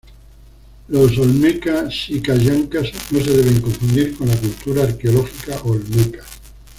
Los olmeca-xicallancas no se deben confundir con la cultura arqueológica olmeca.